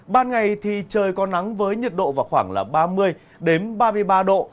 ban ngày thì trời có nắng với nhiệt độ vào khoảng ba mươi ba mươi ba độ